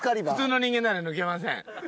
普通の人間なら抜けません。